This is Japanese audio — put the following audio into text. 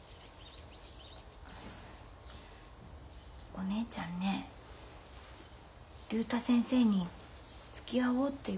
お姉ちゃんね竜太先生につきあおうって言われたんだって。